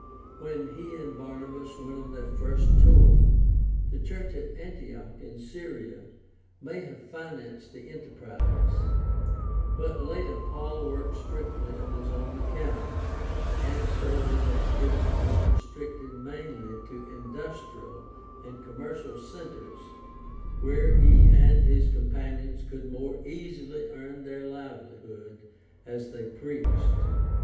When he and Barnabas went on their first tour, the church at Antioch in Syria may have financed the enterprise (Acts 13 : 2 f .); but later Paul worked strictly on his own account, and so his THE STUDY OF EARLY CHRISTIANITY 285 activity was restricted mainly to industrial and commercial centers where he and his companions could more easily earn their livelihood as they preached.